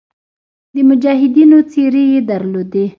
د مجاهدینو څېرې یې درلودې.